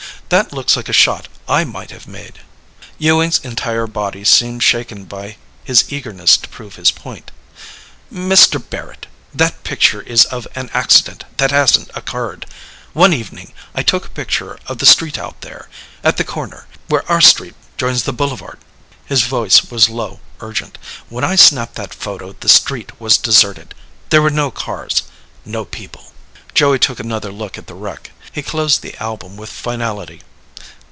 "That looks like a shot I might have made." Ewing's entire body seemed shaken by his eagerness to prove his point. "Mr. Barrett ... that picture is of an accident that hasn't occurred. One evening, I took a picture of the street out there ... at the corner ... where our street joins the Boulevard." His voice was low, urgent. "When I snapped that photo, the street was deserted. There were no cars no people." Joey took another look at the wreck. He closed the album with finality.